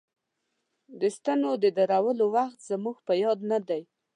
د ستنو د درولو وخت زموږ په یاد نه دی.